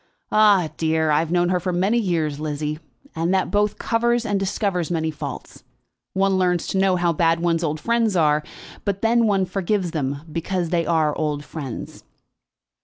"Ah, dear! I have known her for many years, Lizzie, and that both covers and discovers many faults. One learns to know how bad one's old friends are, but then one forgives them, because they are old friends."